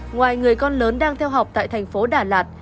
ngoài người con lớn đang theo học tại thành phố đà lạt